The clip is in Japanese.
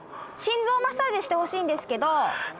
心臓マッサージしてほしいんですけど。